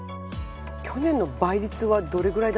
去年の倍率はどれぐらいだったんですか？